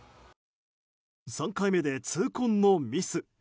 ３回目で痛恨のミス。